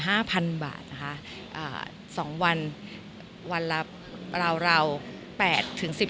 ห้าพันบาทนะคะอ่าสองวันวันละราวราวแปดถึงสิบ